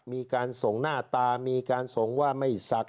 มีการส่งหน้าตามีการส่งว่าไม่ศักดิ